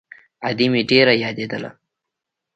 ادې مې ډېره يادېدله.